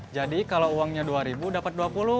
jadi kalau uangnya dua ribu dapat dua puluh